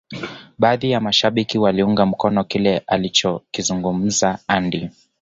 baadhi ya mashabiki waliunga mkono kile alichokizungumza Andy